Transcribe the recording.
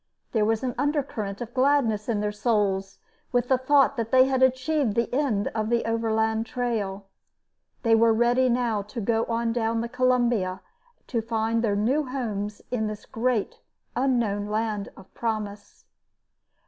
There was an undercurrent of gladness in their souls with the thought that they had achieved the end of the Overland Trail. They were ready now to go on down the Columbia to find their new homes in this great, unknown Land of Promise.